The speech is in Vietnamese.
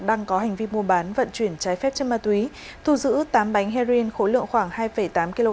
đang có hành vi mua bán vận chuyển trái phép chất ma túy thu giữ tám bánh heroin khối lượng khoảng hai tám kg